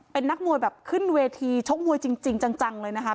เป็นนักมวยแบบขึ้นเวทีชกมวยจริงจังเลยนะคะ